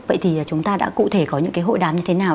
vậy thì chúng ta đã cụ thể có những cái hội đàm như thế nào